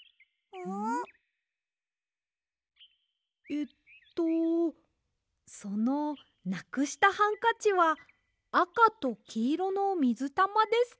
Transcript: えっとそのなくしたハンカチはあかときいろのみずたまですか？